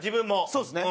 そうですね。